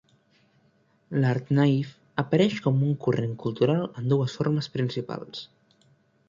L'art naïf apareix com un corrent cultural en dues formes principals.